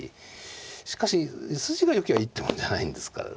しかし筋がよきゃいいってもんじゃないんですから。